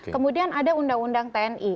kemudian ada undang undang tni